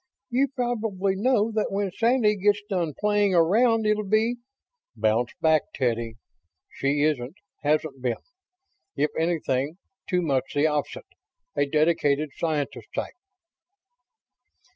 You probably know that when Sandy gets done playing around it'll be ..." "Bounce back, Teddy. She isn't hasn't been. If anything, too much the opposite. A dedicated scientist type."